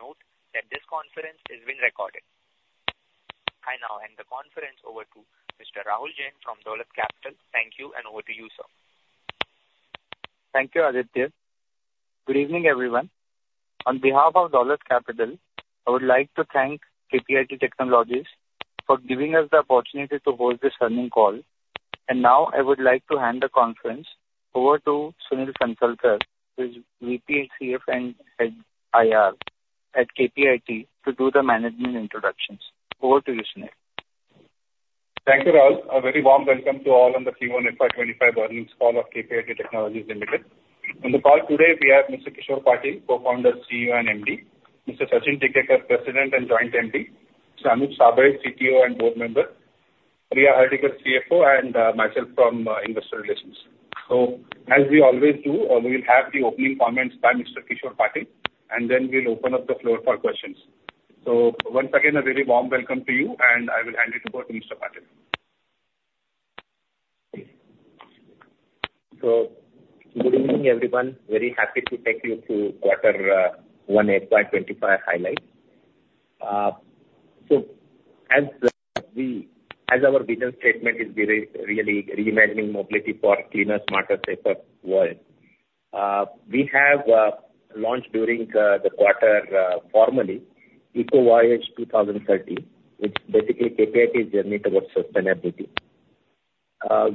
Please note that this conference is being recorded. I now hand the conference over to Mr. Rahul Jain from Dolat Capital. Thank you, and over to you, sir. Thank you, Aditya. Good evening, everyone. On behalf of Dolat Capital, I would like to thank KPIT Technologies for giving us the opportunity to host this learning call. Now, I would like to hand the conference over to Sunil Phansalkar, who is VP & Head and Head IR at KPIT, to do the management introductions. Over to you, Sunil. Thank you, Rahul. A very warm welcome to all on the Q1 FY 2025 Earnings Call of KPIT Technologies Limited. On the call today, we have Mr. Kishor Patil, Co-founder, CEO, and MD, Mr. Sachin Tikekar, President and Joint MD, Mr. Anup Sable, CTO and Board Member, Priya Hardikar, CFO, and myself from Investor Relations. So, as we always do, we will have the opening comments by Mr. Kishor Patil, and then we'll open up the floor for questions. So, once again, a very warm welcome to you, and I will hand it over to Mr. Patil. So, good evening, everyone. Very happy to take you through quarter one, FY 2025 highlights. So, as our vision statement is really reimagining mobility for a cleaner, smarter, safer world, we have launched during the quarter formally EcoVoyage 2030, which basically KPIT's journey towards sustainability.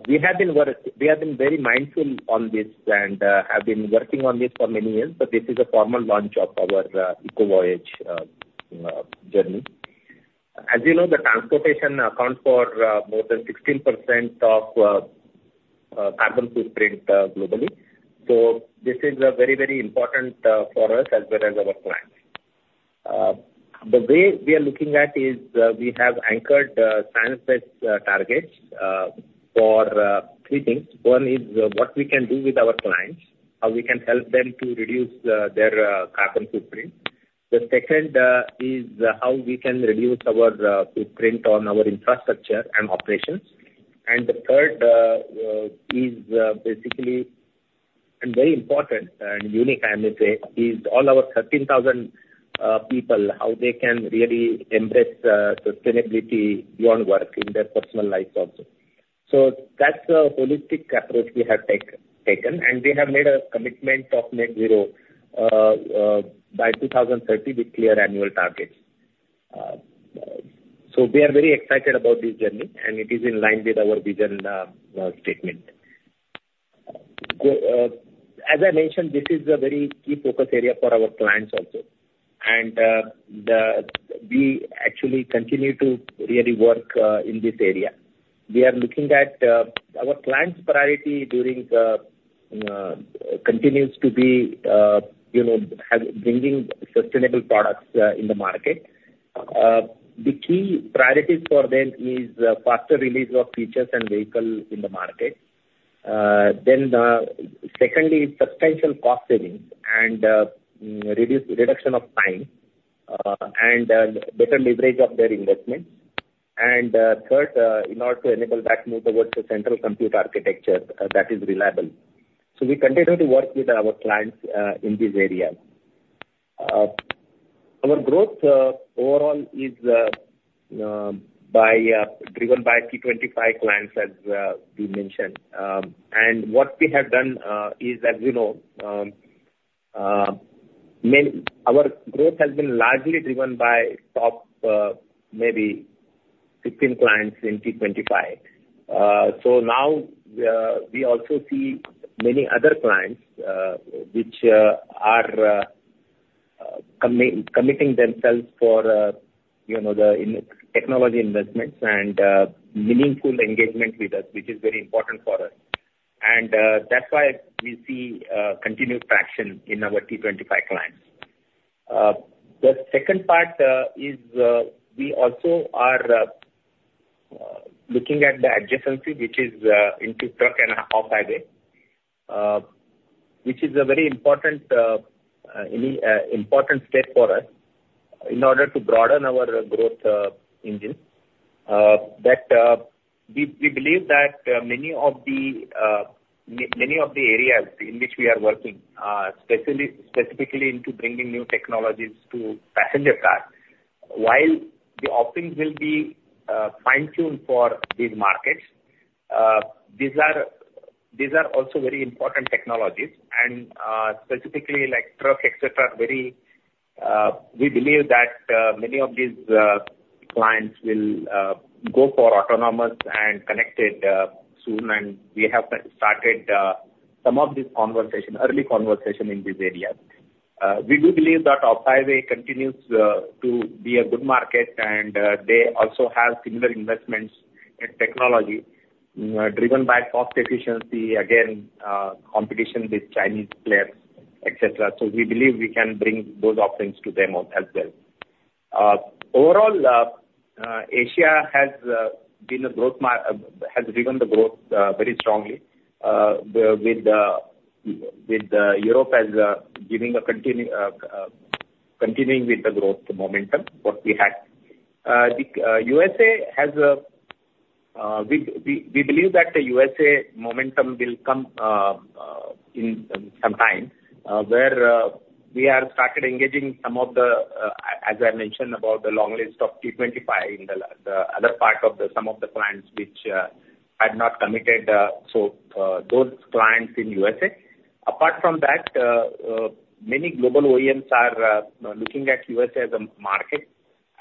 We have been very mindful on this and have been working on this for many years, but this is a formal launch of our EcoVoyage journey. As you know, transportation accounts for more than 16% of carbon footprint globally. So, this is very, very important for us as well as our clients. The way we are looking at is we have anchored science-based targets for three things. One is what we can do with our clients, how we can help them to reduce their carbon footprint. The second is how we can reduce our footprint on our infrastructure and operations. The third is basically very important and unique, I must say, is all our 13,000 people, how they can really embrace sustainability beyond work in their personal lives also. That's a holistic approach we have taken, and we have made a commitment of net zero by 2030 with clear annual targets. We are very excited about this journey, and it is in line with our vision statement. As I mentioned, this is a very key focus area for our clients also. We actually continue to really work in this area. We are looking at our clients' priority during continues to be bringing sustainable products in the market. The key priorities for them are faster release of features and vehicles in the market. Secondly, substantial cost savings and reduction of time and better leverage of their investments. And third, in order to enable that move towards a central compute architecture that is reliable. So, we continue to work with our clients in these areas. Our growth overall is driven by T25 clients, as we mentioned. And what we have done is, as you know, our growth has been largely driven by top maybe 15 clients in T25. So now, we also see many other clients which are committing themselves for the technology investments and meaningful engagement with us, which is very important for us. And that's why we see continued traction in our T25 clients. The second part is we also are looking at the adjacency, which is into truck and off-highway, which is a very important step for us in order to broaden our growth engine. That we believe that many of the areas in which we are working, specifically into bringing new technologies to passenger cars, while the offerings will be fine-tuned for these markets, these are also very important technologies. And specifically, like truck, etc., we believe that many of these clients will go for autonomous and connected soon. And we have started some of this conversation, early conversation in these areas. We do believe that off-highway continues to be a good market, and they also have similar investments in technology driven by cost efficiency, again, competition with Chinese players, etc. So we believe we can bring those offerings to them as well. Overall, Asia has driven the growth very strongly, with Europe continuing with the growth momentum what we had. We believe that the U.S.A. momentum will come in some time where we are started engaging some of the, as I mentioned, about the long list of T25 in the other part of some of the clients which had not committed. So those clients in U.S.A. Apart from that, many global OEMs are looking at U.S.A. as a market,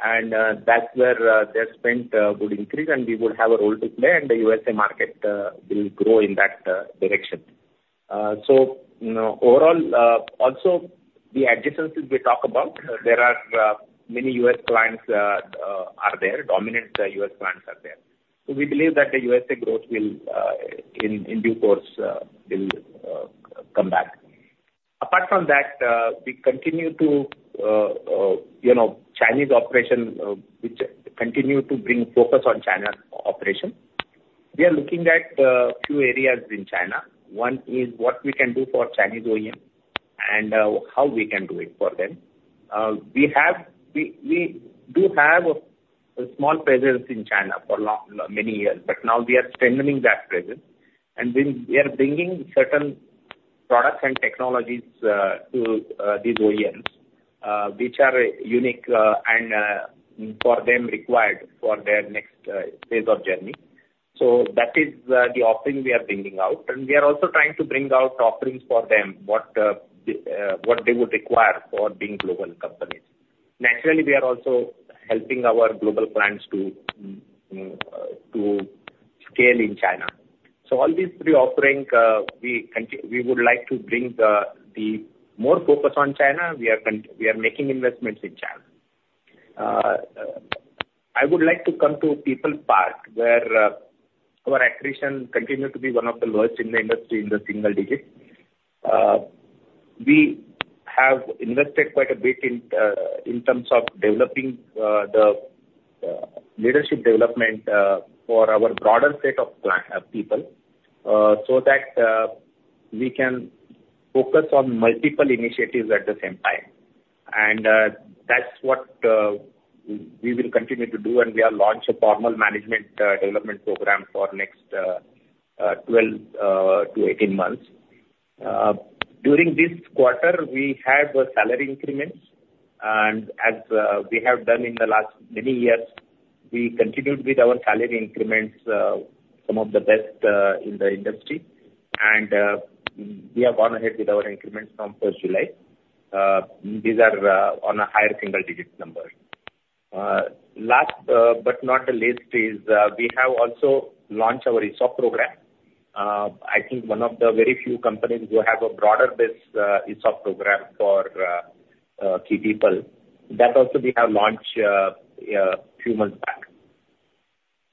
and that's where their spend would increase, and we would have a role to play, and the U.S.A. market will grow in that direction. So overall, also the adjacencies we talk about, there are many U.S. clients are there, dominant U.S. clients are there. So we believe that the U.S.A. growth in due course will come back. Apart from that, we continue to Chinese operation, which continue to bring focus on China operation. We are looking at a few areas in China. One is what we can do for Chinese OEMs and how we can do it for them. We do have a small presence in China for many years, but now we are strengthening that presence. We are bringing certain products and technologies to these OEMs, which are unique and for them required for their next phase of journey. That is the offering we are bringing out. We are also trying to bring out offerings for them, what they would require for being global companies. Naturally, we are also helping our global clients to scale in China. All these three offerings, we would like to bring the more focus on China. We are making investments in China. I would like to come to people part where our attrition continued to be one of the lowest in the industry in the single digit. We have invested quite a bit in terms of developing the leadership development for our broader set of people so that we can focus on multiple initiatives at the same time. That's what we will continue to do, and we have launched a formal management development program for the next 12-18 months. During this quarter, we have salary increments, and as we have done in the last many years, we continued with our salary increments, some of the best in the industry. We have gone ahead with our increments from 1st July. These are on a higher single digit number. Last but not the least is we have also launched our ESOP program. I think one of the very few companies who have a broader-based ESOP program for key people. That also we have launched a few months back.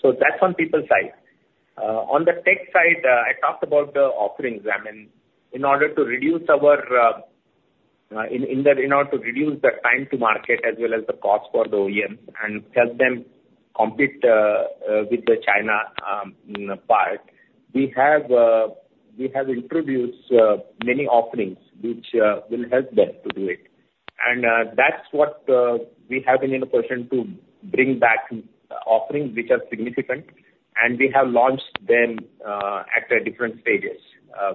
So that's on people side. On the tech side, I talked about the offerings. I mean, in order to reduce the time to market as well as the cost for the OEMs and help them compete with the China part, we have introduced many offerings which will help them to do it. That's what we have been in a position to bring back offerings which are significant, and we have launched them at different stages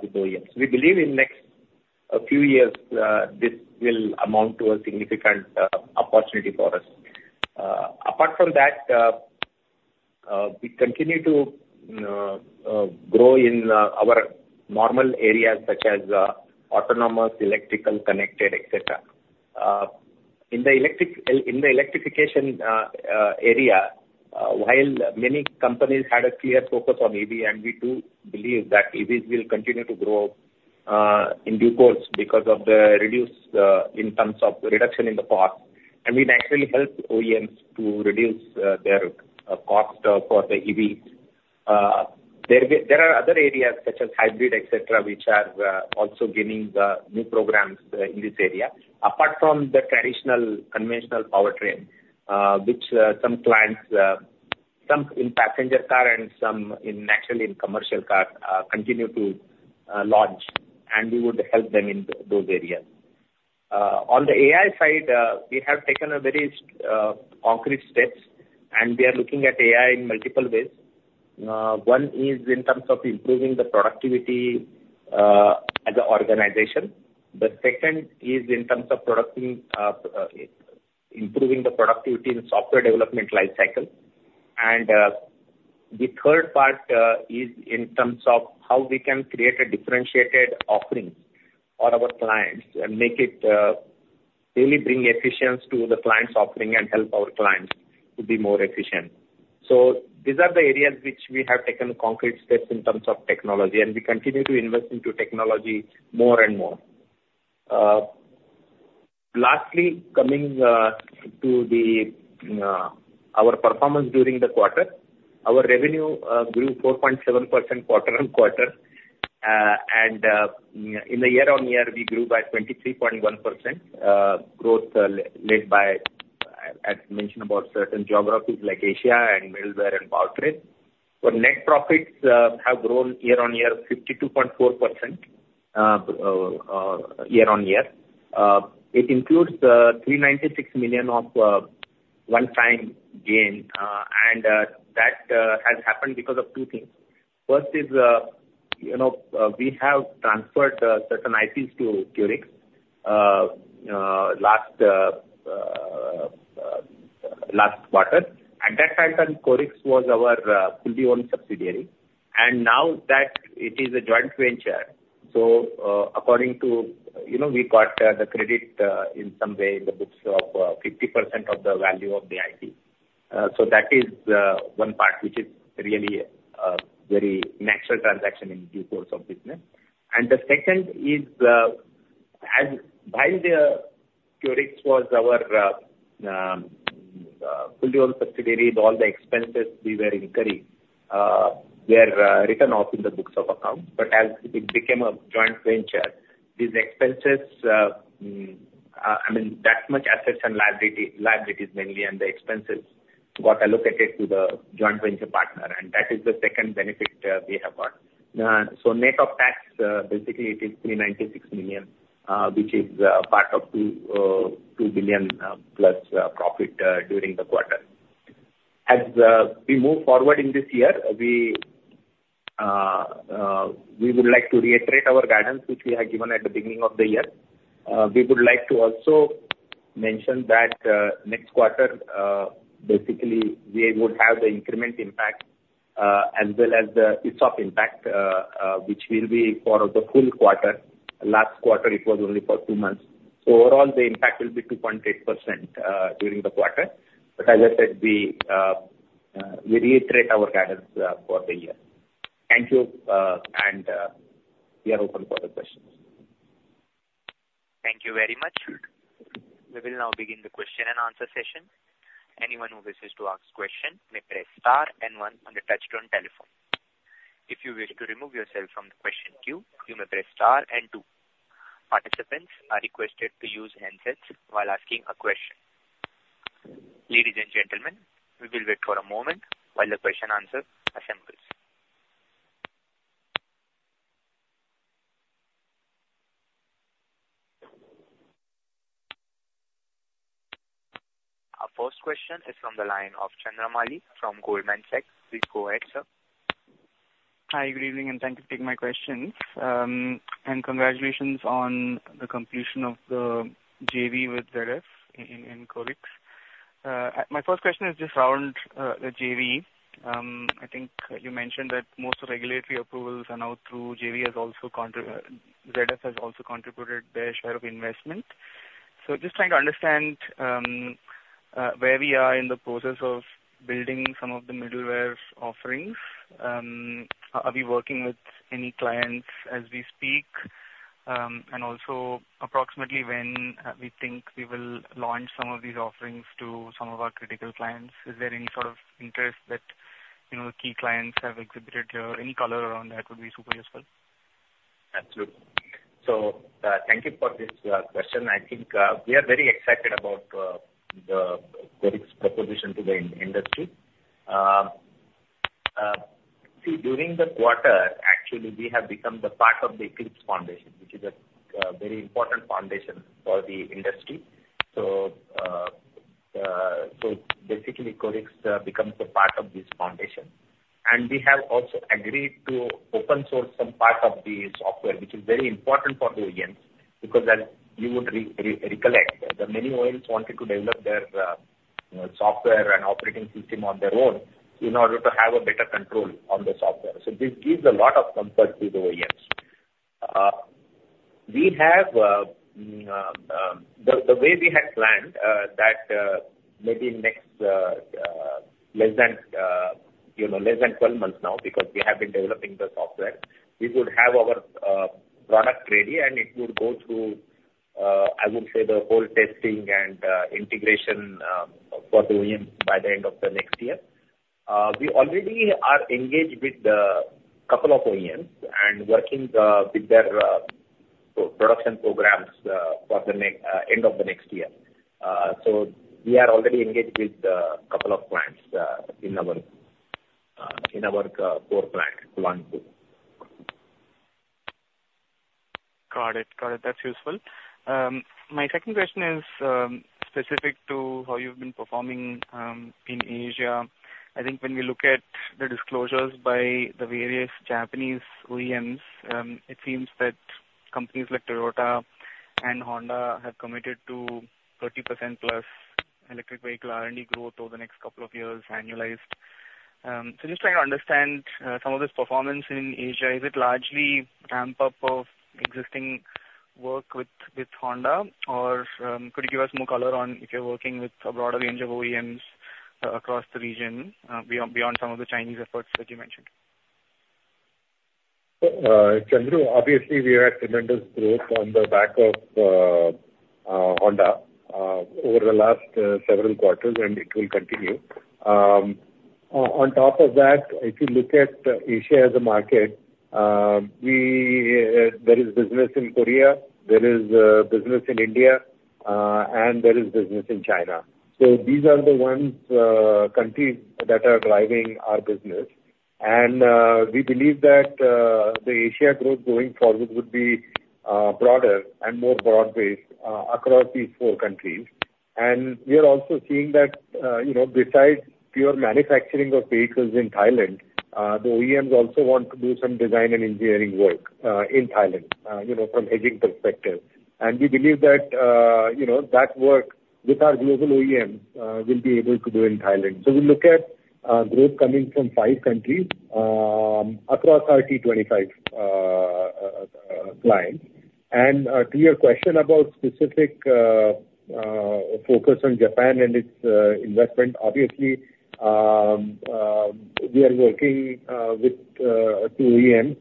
with OEMs. We believe in the next few years, this will amount to a significant opportunity for us. Apart from that, we continue to grow in our normal areas such as autonomous, electrical, connected, etc. In the electrification area, while many companies had a clear focus on EV, and we do believe that EVs will continue to grow in due course because of the reduction in the cost. We naturally help OEMs to reduce their cost for the EVs. There are other areas such as hybrid, etc., which are also gaining new programs in this area. Apart from the traditional conventional powertrain, which some clients, some in passenger car and some naturally in commercial car, continue to launch, and we would help them in those areas. On the AI side, we have taken very concrete steps, and we are looking at AI in multiple ways. One is in terms of improving the productivity as an organization. The second is in terms of improving the productivity in software development life cycle. The third part is in terms of how we can create differentiated offerings for our clients and make it really bring efficiency to the client's offering and help our clients to be more efficient. These are the areas which we have taken concrete steps in terms of technology, and we continue to invest into technology more and more. Lastly, coming to our performance during the quarter, our revenue grew 4.7% quarter-on-quarter. In the year-on-year, we grew by 23.1% growth led by, as mentioned, about certain geographies like Asia and middleware and powertrain. Net profits have grown year-on-year 52.4% year-on-year. It includes 396 million of one-time gain, and that has happened because of two things. First is we have transferred certain IPs to QORIX last quarter. At that time, QORIX was our fully-owned subsidiary. Now that it is a joint venture, so according to we got the credit in some way in the books of 50% of the value of the IP. That is one part which is really a very natural transaction in due course of business. The second is while QORIX was our fully-owned subsidiary, all the expenses we were incurring were written off in the books of accounts. As it became a joint venture, these expenses, I mean, that much assets and liabilities mainly, and the expenses got allocated to the joint venture partner. That is the second benefit we have got. Net of tax, basically, it is 396 million, which is part of 2 billion+ profit during the quarter. As we move forward in this year, we would like to reiterate our guidance which we have given at the beginning of the year. We would like to also mention that next quarter, basically, we would have the increment impact as well as the ESOP impact, which will be for the full quarter. Last quarter, it was only for two months. So overall, the impact will be 2.8% during the quarter. But as I said, we reiterate our guidance for the year. Thank you, and we are open for the questions. Thank you very much. We will now begin the question-and-answer session. Anyone who wishes to ask a question may press star and one on the touch-tone telephone. If you wish to remove yourself from the question queue, you may press star and two. Participants are requested to use handsets while asking a question. Ladies and gentlemen, we will wait for a moment while the question-and-answer assembles. Our first question is from the line of Chandramouli from Goldman Sachs. Please go ahead, sir. Hi, good evening, and thank you for taking my questions. And congratulations on the completion of the JV with ZF in QORIX. My first question is just around the JV. I think you mentioned that most regulatory approvals are now through. JV has also ZF has also contributed their share of investment. So just trying to understand where we are in the process of building some of the middleware offerings. Are we working with any clients as we speak? And also, approximately when we think we will launch some of these offerings to some of our critical clients? Is there any sort of interest that key clients have exhibited here? Any color around that would be super useful. Absolutely. So thank you for this question. I think we are very excited about the QORIX proposition to the industry. See, during the quarter, actually, we have become part of the Eclipse Foundation, which is a very important foundation for the industry. So basically, QORIX becomes a part of this foundation. We have also agreed to open source some part of the software, which is very important for the OEMs because, as you would recollect, the many OEMs wanted to develop their software and operating system on their own in order to have better control on the software. This gives a lot of comfort to the OEMs. The way we had planned that maybe in the next less than 12 months now, because we have been developing the software, we would have our product ready, and it would go through, I would say, the whole testing and integration for the OEMs by the end of the next year. We already are engaged with a couple of OEMs and working with their production programs for the end of the next year. We are already engaged with a couple of clients in our core plant. Got it. Got it. That's useful. My second question is specific to how you've been performing in Asia. I think when we look at the disclosures by the various Japanese OEMs, it seems that companies like Toyota and Honda have committed to 30%+ electric vehicle R&D growth over the next couple of years annualized. So just trying to understand some of this performance in Asia. Is it largely ramp-up of existing work with Honda, or could you give us more color on if you're working with a broader range of OEMs across the region beyond some of the Chinese efforts that you mentioned? Obviously, we are at tremendous growth on the back of Honda over the last several quarters, and it will continue. On top of that, if you look at Asia as a market, there is business in Korea, there is business in India, and there is business in China. These are the countries that are driving our business. We believe that the Asia growth going forward would be broader and more broad-based across these four countries. We are also seeing that besides pure manufacturing of vehicles in Thailand, the OEMs also want to do some design and engineering work in Thailand from hedging perspective. We believe that that work with our global OEMs will be able to do in Thailand. We look at growth coming from five countries across our T25 clients. To your question about specific focus on Japan and its investment, obviously, we are working with two OEMs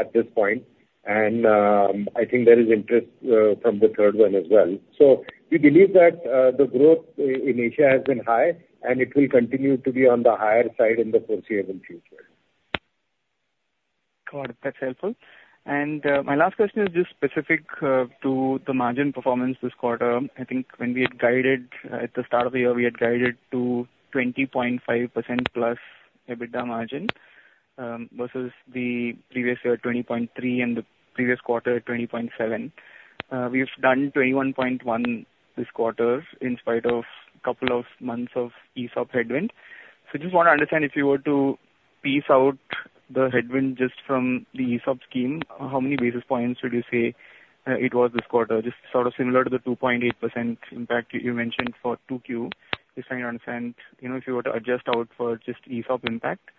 at this point, and I think there is interest from the third one as well. We believe that the growth in Asia has been high, and it will continue to be on the higher side in the foreseeable future. Got it. That's helpful. My last question is just specific to the margin performance this quarter. I think when we had guided at the start of the year, we had guided to 20.5%+ EBITDA margin versus the previous year 20.3% and the previous quarter 20.7%. We've done 21.1% this quarter in spite of a couple of months of ESOP headwind. I just want to understand if you were to piece out the headwind just from the ESOP scheme, how many basis points would you say it was this quarter? Just sort of similar to the 2.8% impact you mentioned for 2Q. Just trying to understand if you were to adjust out for just ESOP impact,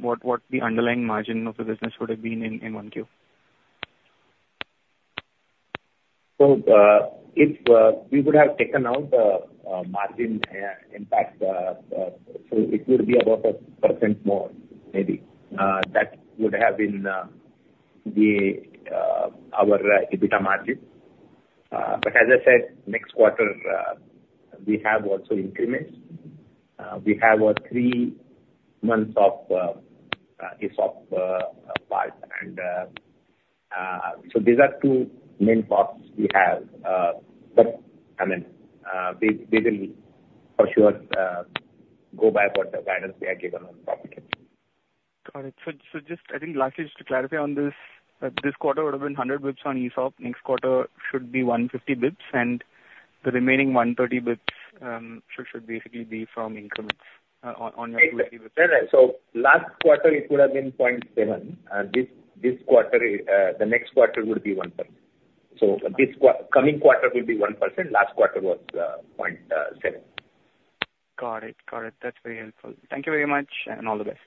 what the underlying margin of the business would have been in 1Q. If we would have taken out the margin impact, so it would be about 1% more, maybe. That would have been our EBITDA margin. But as I said, next quarter, we have also increments. We have three months of ESOP part. And so these are two main costs we have. But I mean, we will for sure go by what the guidance we have given on profit. Got it. So just I think lastly, just to clarify on this, this quarter would have been 100 bps on ESOP. Next quarter should be 150 bps, and the remaining 130 bps should basically be from increments on your 280 bps. So last quarter, it would have been 0.7%. This quarter, the next quarter would be 1%. So this coming quarter will be 1%. Last quarter was 0.7%. Got it. Got it. That's very helpful. Thank you very much, and all the best.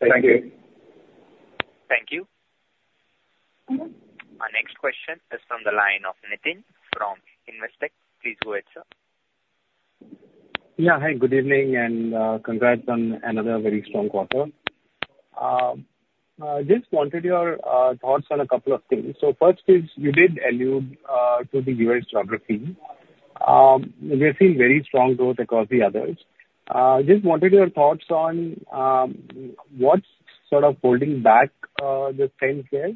Thank you. Thank you. Our next question is from the line of Nitin from Investec. Please go ahead, sir. Yeah. Hi, good evening, and congrats on another very strong quarter. Just wanted your thoughts on a couple of things. So first is you did allude to the U.S. geography. We've seen very strong growth across the others. Just wanted your thoughts on what's sort of holding back the strength there,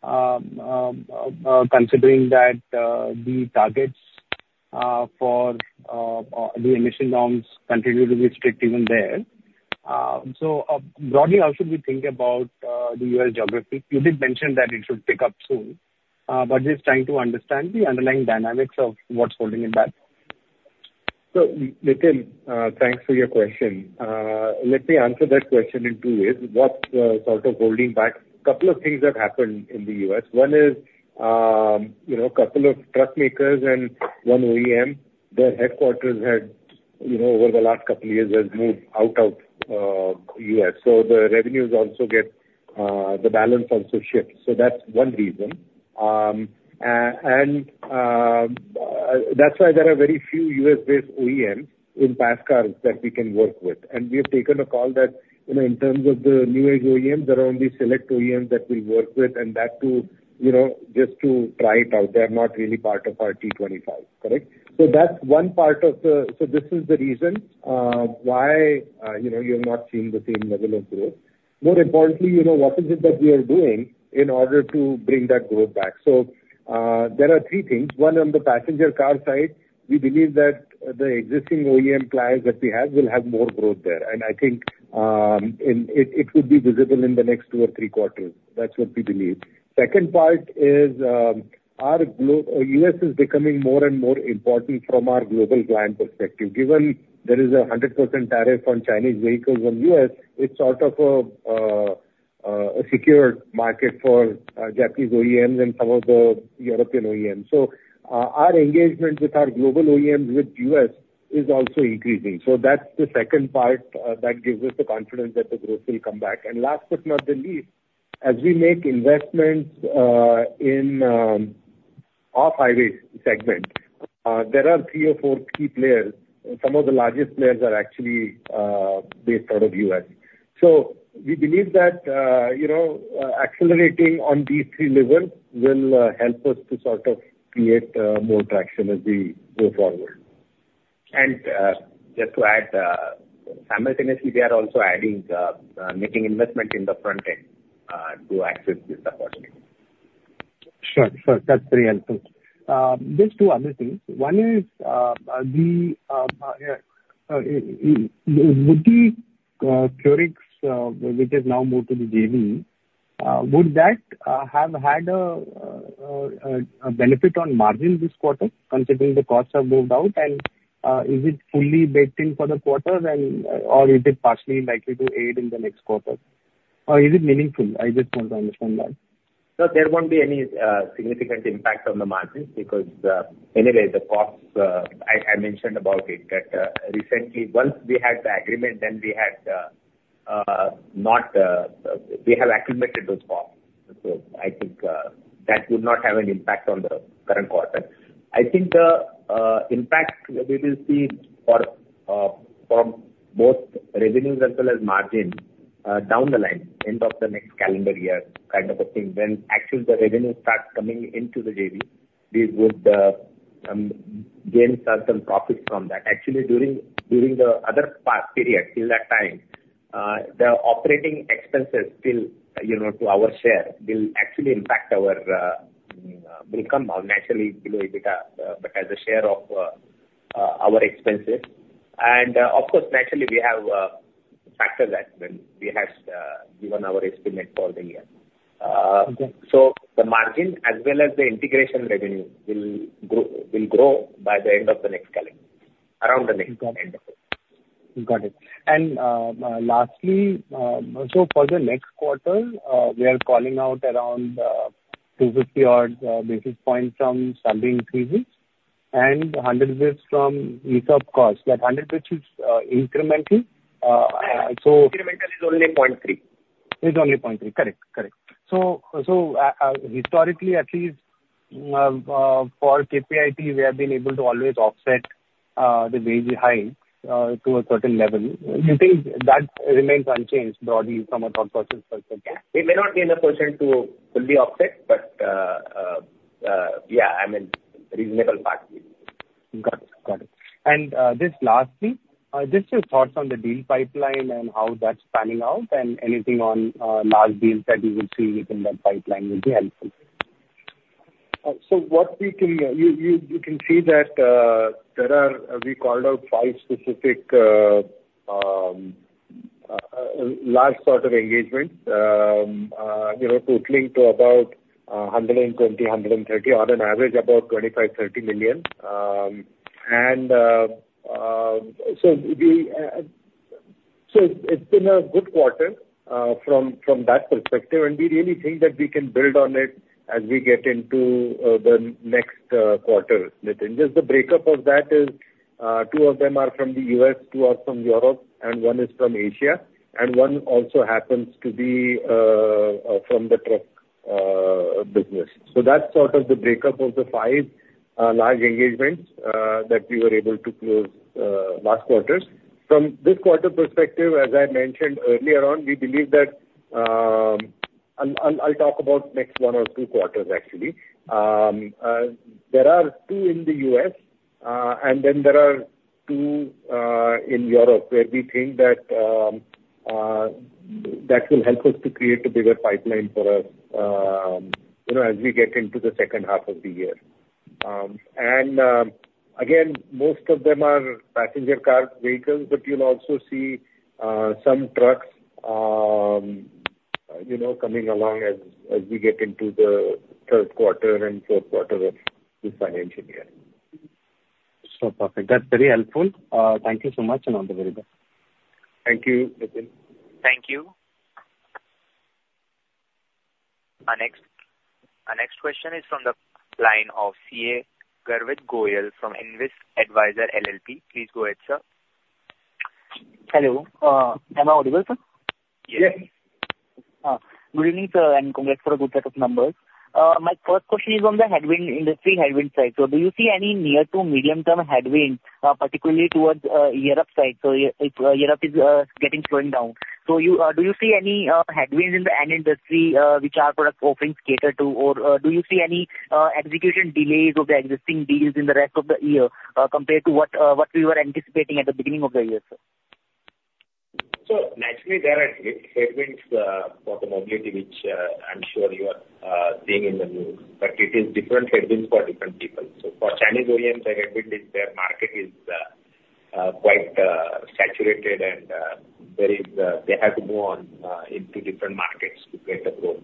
considering that the targets for the emission norms continue to be strict even there. So broadly, how should we think about the U.S. geography? You did mention that it should pick up soon, but just trying to understand the underlying dynamics of what's holding it back. So Nitin, thanks for your question. Let me answer that question in two ways. What's sort of holding back? A couple of things have happened in the U.S. One is a couple of truck makers and one OEM; their headquarters over the last couple of years have moved out of the U.S. So the revenues also get the balance also shifts. So that's one reason. That's why there are very few U.S.-based OEMs in passenger cars that we can work with. We have taken a call that in terms of the newer OEMs, there are only select OEMs that we'll work with, and that too just to try it out. They're not really part of our T25, correct? So that's one part of the, so this is the reason why you have not seen the same level of growth. More importantly, what is it that we are doing in order to bring that growth back? So there are three things. One on the passenger car side, we believe that the existing OEM clients that we have will have more growth there. I think it would be visible in the next two or three quarters. That's what we believe. Second part is our U.S. is becoming more and more important from our global client perspective. Given there is a 100% tariff on Chinese vehicles in the U.S., it's sort of a secure market for Japanese OEMs and some of the European OEMs. So our engagement with our global OEMs with the U.S. is also increasing. So that's the second part that gives us the confidence that the growth will come back. And last but not the least, as we make investments in off-highway segment, there are three or four key players. Some of the largest players are actually based out of the U.S. So we believe that accelerating on these three levels will help us to sort of create more traction as we go forward. And just to add, simultaneously, we are also making investment in the front end to access this opportunity. Sure. Sure. That's very helpful. Just two other things. One is, would the QORIX, which is now moved to the JV, would that have had a benefit on margin this quarter, considering the costs have moved out? And is it fully baked in for the quarter, or is it partially likely to aid in the next quarter? Or is it meaningful? I just want to understand that. So there won't be any significant impact on the margins because anyway, the costs I mentioned about it that recently, once we had the agreement, then we have aggregated those costs. I think that would not have an impact on the current quarter. I think the impact we will see from both revenues as well as margin down the line, end of the next calendar year, kind of a thing. When actually the revenue starts coming into the JV, we would gain certain profits from that. Actually, during the other period, till that time, the operating expenses still to our share will actually impact our will come out naturally below EBITDA as a share of our expenses. Of course, naturally, we have factors that we have given our estimate for the year. The margin as well as the integration revenue will grow by the end of the next calendar, around the next end of the year. Got it. And lastly, so for the next quarter, we are calling out around 250-odd basis points from salary increases and 100 bps from ESOP costs. That 100 bps is incremental. So incremental is only 0.3%. It's only 0.3%. Correct. Correct. So historically, at least for KPIT, we have been able to always offset the wage hike to a certain level. You think that remains unchanged broadly from a thought process perspective? We may not be in a position to fully offset, but yeah, I mean, reasonable factors. Got it. Got it. And just lastly, just your thoughts on the deal pipeline and how that's panning out, and anything on large deals that you would see within that pipeline would be helpful. So what we can you can see that there are we called out five specific large sort of engagements, totaling to about $120 million-$130 million, on an average about $25-$30 million. And so it's been a good quarter from that perspective, and we really think that we can build on it as we get into the next quarter. Just the breakup of that is two of them are from the U.S., two are from Europe, and one is from Asia. And one also happens to be from the truck business. So that's sort of the breakup of the five large engagements that we were able to close last quarter. From this quarter perspective, as I mentioned earlier on, we believe that I'll talk about next one or two quarters, actually. There are two in the U.S., and then there are two in Europe where we think that that will help us to create a bigger pipeline for us as we get into the second half of the year. And again, most of them are passenger car vehicles, but you'll also see some trucks coming along as we get into the third quarter and fourth quarter of this financial year. So perfect. That's very helpful. Thank you so much, and all the very best. Thank you, Nitin. Thank you. Our next question is from the line of CA Garvit Goyal from Nvest Advisor LLP. Please go ahead, sir. Hello. Am I audible? Yes. Yes. Good evening, sir, and congrats for a good set of numbers. My first question is on the headwind industry, headwind side. So do you see any near-to-medium-term headwind, particularly towards Europe side? So Europe is getting slowing down. So do you see any headwinds in the end industry which our product offerings cater to, or do you see any execution delays of the existing deals in the rest of the year compared to what we were anticipating at the beginning of the year, sir? So naturally, there are headwinds for the mobility, which I'm sure you are seeing in the news. But it is different headwinds for different people. So for Chinese OEMs, their headwind is their market is quite saturated, and they have to move on into different markets to create a growth.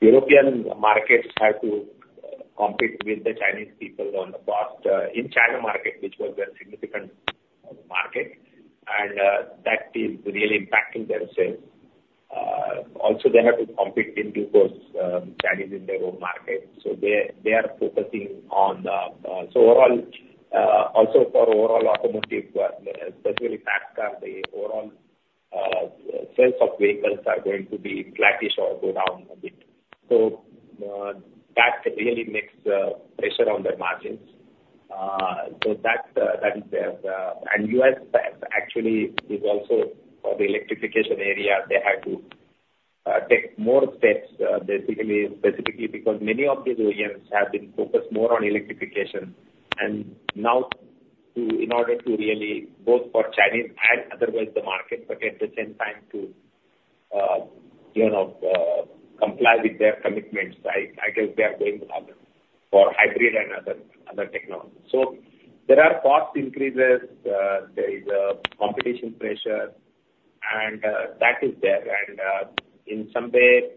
European markets have to compete with the Chinese people on the cost in China market, which was their significant market, and that is really impacting their sales. Also, they have to compete in due course Chinese in their own market. So they are focusing on the so overall, also for overall automotive, especially PassCar, the overall sales of vehicles are going to be flattish or go down a bit. So that really makes pressure on their margins. So that is there. And the U.S. actually is also for the electrification area, they had to take more steps, basically, specifically because many of these OEMs have been focused more on electrification. And now, in order to really both for Chinese and otherwise the market, but at the same time to comply with their commitments, I guess they are going for hybrid and other technologies. So there are cost increases. There is a competition pressure, and that is there. And in some way,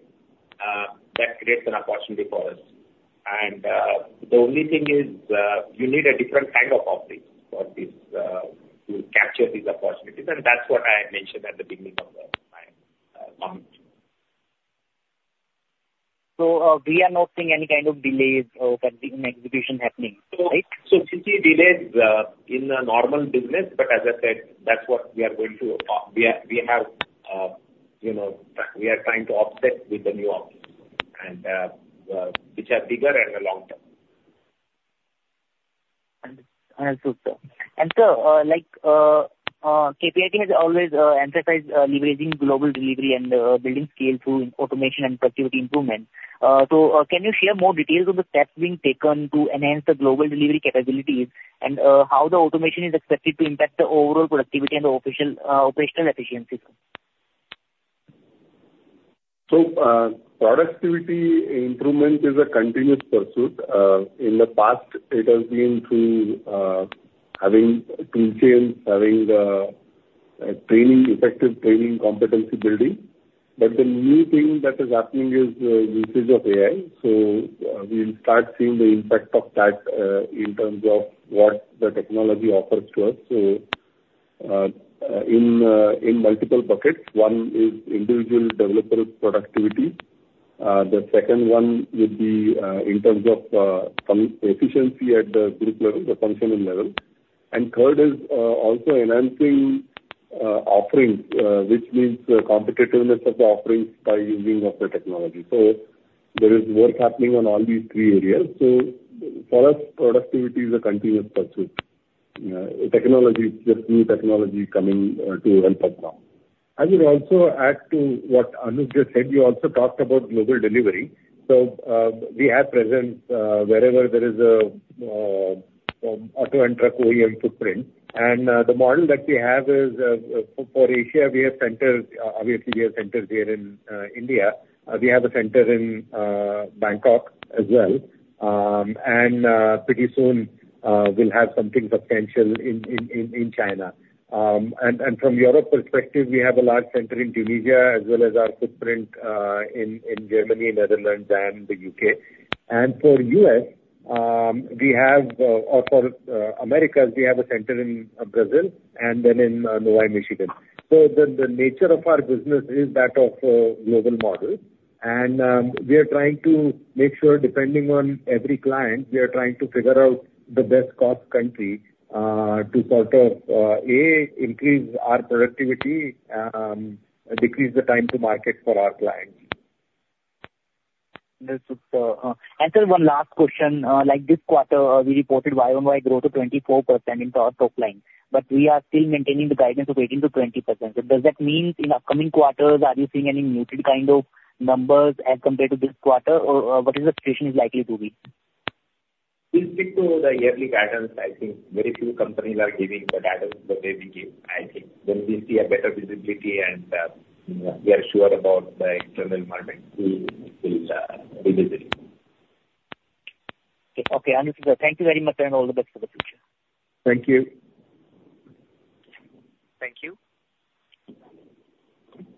that creates an opportunity for us. And the only thing is you need a different kind of offering for this to capture these opportunities. That's what I had mentioned at the beginning of the comment. So we are not seeing any kind of delays or execution happening, right? So we see delays in the normal business, but as I said, that's what we are going to we are trying to offset with the new options, which are bigger and long-term. Understood, sir. Sir, KPIT has always emphasized leveraging global delivery and building scale through automation and productivity improvement. So can you share more details on the steps being taken to enhance the global delivery capabilities and how the automation is expected to impact the overall productivity and the operational efficiencies? Productivity improvement is a continuous pursuit. In the past, it has been through having toolchains, having effective training competency building. But the new thing that is happening is the usage of AI. So we'll start seeing the impact of that in terms of what the technology offers to us. So in multiple buckets, one is individual developer productivity. The second one would be in terms of efficiency at the functional level. And third is also enhancing offerings, which means the competitiveness of the offerings by using of the technology. So there is work happening on all these three areas. So for us, productivity is a continuous pursuit. Technology is just new technology coming to help us now. I would also add to what Anup just said. You also talked about global delivery. So we have presence wherever there is an auto and truck OEM footprint. And the model that we have is for Asia, we have centers obviously, we have centers here in India. We have a center in Bangkok as well. And pretty soon, we'll have something substantial in China. And from Europe perspective, we have a large center in Tunisia as well as our footprint in Germany, Netherlands, and the U.K. And for U.S., we have or for America, we have a center in Brazil and then in Novi, Michigan. So the nature of our business is that of a global model. And we are trying to make sure, depending on every client, we are trying to figure out the best cost country to sort of, A, increase our productivity, decrease the time to market for our clients. Understood, sir. And sir, one last question. This quarter, we reported YOY growth of 24% in the top line, but we are still maintaining the guidance of 18%-20%. So does that mean in upcoming quarters, are you seeing any muted kind of numbers as compared to this quarter, or what is the situation likely to be? We speak to the yearly guidance. I think very few companies are giving the guidance that they will give, I think. When we see a better visibility and we are sure about the external market, we will be visible. Okay. Anup, sir, thank you very much and all the best for the future. Thank you. Thank you.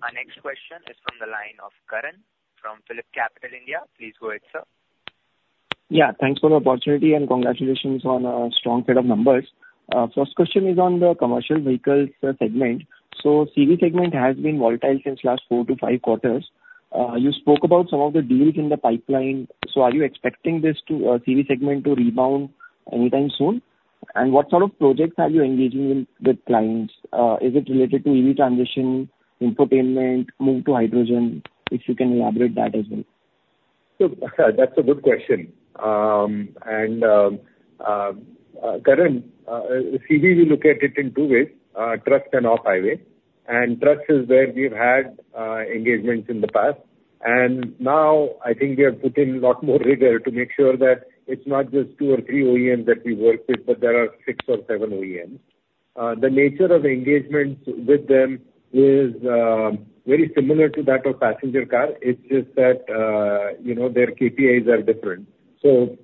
Our next question is from the line of Karan from PhillipCapital India. Please go ahead, sir. Yeah. Thanks for the opportunity and congratulations on a strong set of numbers. First question is on the commercial vehicles segment. So CV segment has been volatile since last 4-5 quarters. You spoke about some of the deals in the pipeline. So are you expecting this CV segment to rebound anytime soon? And what sort of projects are you engaging with clients? Is it related to EV transition, infotainment, move to hydrogen? If you can elaborate that as well. That's a good question. Karan, CV, we look at it in two ways: trucks and off-highway. Trucks is where we've had engagements in the past. Now, I think we have put in a lot more rigor to make sure that it's not just two or three OEMs that we work with, but there are six or seven OEMs. The nature of engagements with them is very similar to that of passenger car. It's just that their KPIs are different. So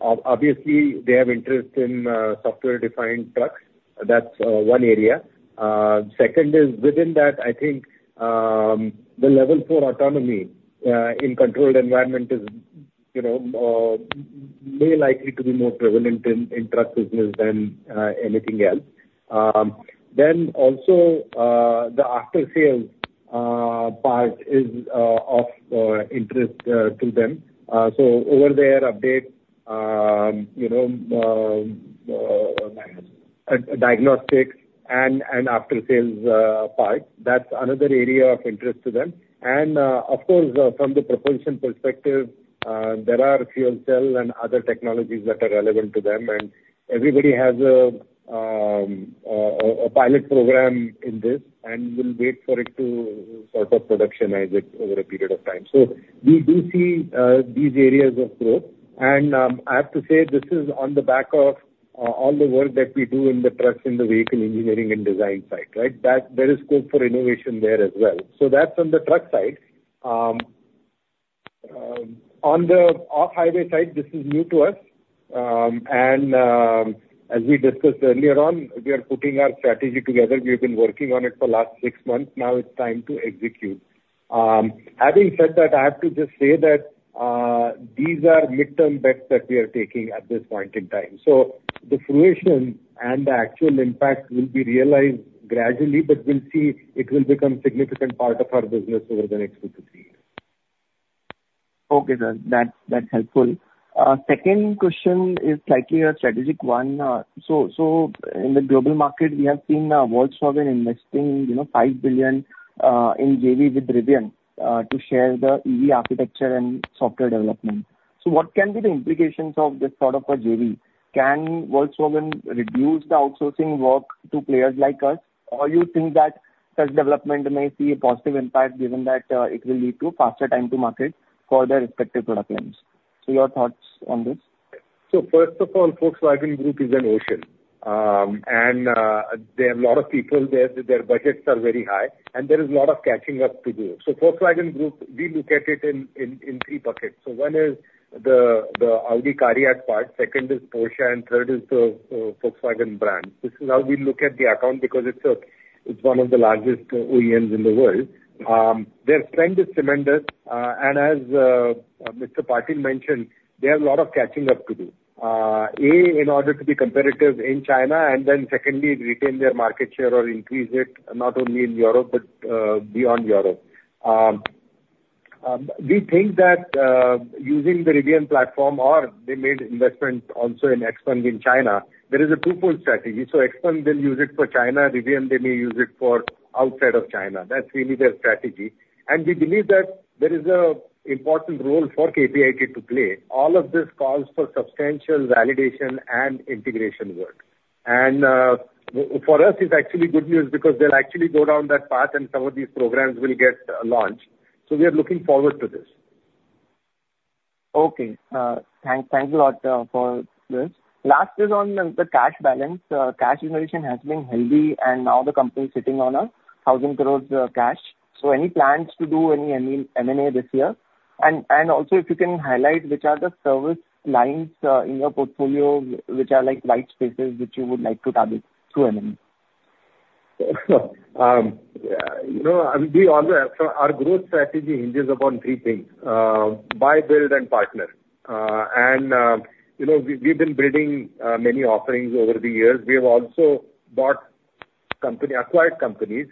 obviously, they have interest in software-defined trucks. That's one area. Second is within that, I think the level for autonomy in controlled environment is more likely to be more prevalent in truck business than anything else. Then also, the after-sales part is of interest to them. So over there, update, diagnostics, and after-sales part. That's another area of interest to them. Of course, from the propulsion perspective, there are fuel cell and other technologies that are relevant to them. Everybody has a pilot program in this, and we'll wait for it to sort of productionize it over a period of time. We do see these areas of growth. I have to say, this is on the back of all the work that we do in the trucks, in the vehicle engineering and design side, right? There is scope for innovation there as well. That's on the truck side. On the off-highway side, this is new to us. As we discussed earlier on, we are putting our strategy together. We've been working on it for the last six months. Now it's time to execute. Having said that, I have to just say that these are midterm bets that we are taking at this point in time. So the fruition and the actual impact will be realized gradually, but we'll see it will become a significant part of our business over the next 2-3 years. Okay, sir. That's helpful. Second question is slightly a strategic one. So in the global market, we have seen Volkswagen investing $5 billion in JV with Rivian to share the EV architecture and software development. So what can be the implications of this sort of a JV? Can Volkswagen reduce the outsourcing work to players like us, or do you think that such development may see a positive impact given that it will lead to faster time to market for their respective product lines? So your thoughts on this? So first of all, Volkswagen Group is an ocean. There are a lot of people there. Their budgets are very high, and there is a lot of catching up to do. Volkswagen Group, we look at it in three buckets. One is the Audi, CARIAD part, second is Porsche, and third is the Volkswagen brand. This is how we look at the account because it's one of the largest OEMs in the world. Their spend is tremendous. As Mr. Patil mentioned, they have a lot of catching up to do. A, in order to be competitive in China, and then secondly, retain their market share or increase it not only in Europe but beyond Europe. We think that using the Rivian platform, or they made investment also in XPENG in China, there is a twofold strategy. XPENG, they'll use it for China. Rivian, they may use it for outside of China. That's really their strategy. We believe that there is an important role for KPIT to play. All of this calls for substantial validation and integration work. For us, it's actually good news because they'll actually go down that path, and some of these programs will get launched. So we are looking forward to this. Okay. Thanks a lot for this. Last is on the cash balance. Cash generation has been heavy, and now the company is sitting on 1,000 crore cash. So any plans to do any M&A this year? And also, if you can highlight which are the service lines in your portfolio which are like white spaces that you would like to target through M&A? Beyond that, our growth strategy hinges upon three things: buy, build, and partner. We've been building many offerings over the years. We have also bought companies, acquired companies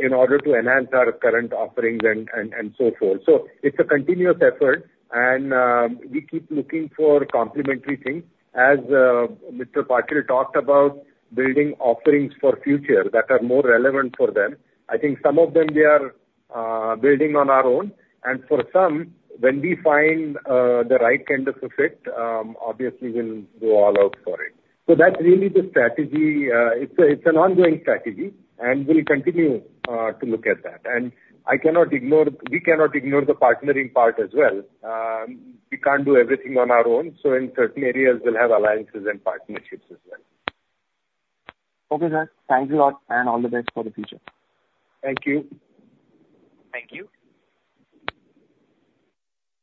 in order to enhance our current offerings and so forth. So it's a continuous effort, and we keep looking for complementary things. As Mr. Patil talked about building offerings for the future that are more relevant for them. I think some of them, they are building on our own. And for some, when we find the right kind of a fit, obviously, we'll go all out for it. So that's really the strategy. It's an ongoing strategy, and we'll continue to look at that. And I cannot ignore we cannot ignore the partnering part as well. We can't do everything on our own. So in certain areas, we'll have alliances and partnerships as well. Okay, sir. Thanks a lot, and all the best for the future. Thank you. Thank you.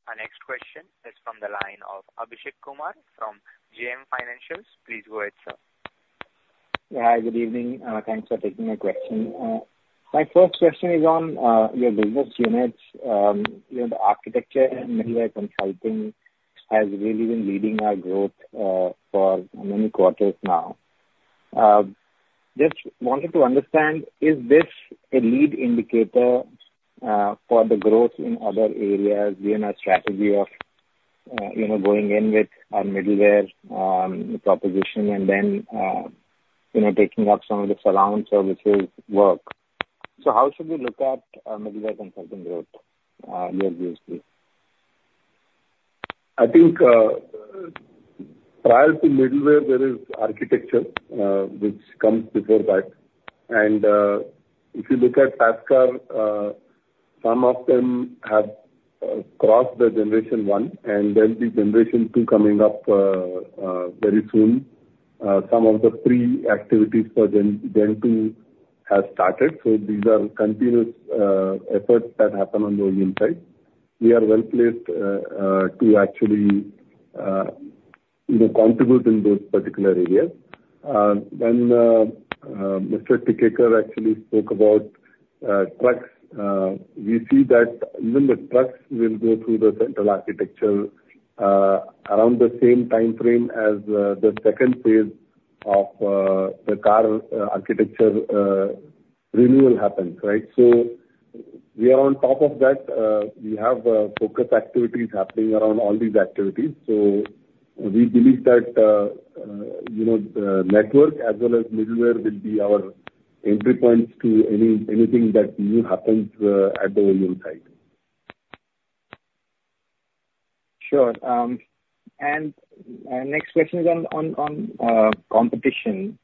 Our next question is from the line of Abhishek Kumar from JM Financial. Please go ahead, sir. Yeah. Good evening. Thanks for taking my question. My first question is on your business units. The architecture and middleware consulting has really been leading our growth for many quarters now. Just wanted to understand, is this a leading indicator for the growth in other areas given our strategy of going in with our middleware proposition and then taking up some of the surrounding services work? So how should we look at middleware consulting growth year-to-year? I think prior to middleware, there is architecture which comes before that. And if you look at PassCar, some of them have crossed the generation one, and there'll be generation two coming up very soon. Some of the pre-activities for Gen 2 have started. So these are continuous efforts that happen on the OEM side. We are well placed to actually contribute in those particular areas. Then Mr. Tikekar actually spoke about trucks. We see that even the trucks will go through the central architecture around the same time frame as the second phase of the car architecture renewal happens, right? So we are on top of that. We have focus activities happening around all these activities. So we believe that the network as well as middleware will be our entry points to anything that new happens at the OEM side. Sure. Next question is on competition.